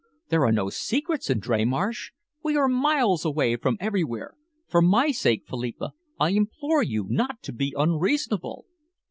There are no secrets in Dreymarsh. We are miles away from everywhere. For my sake, Philippa, I implore you not to be unreasonable."